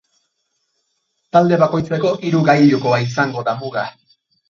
Talde bakoitzeko hiru gailukoa izango da muga.